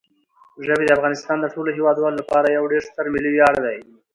ژبې د افغانستان د ټولو هیوادوالو لپاره یو ډېر ستر ملي ویاړ دی.